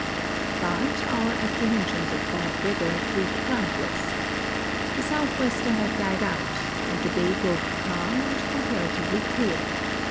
But our apprehensions of had weather proved groundless. The southwester had died out, and the day broke calm and comparatively^ clear.